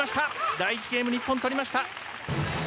第１ゲーム、日本取りました！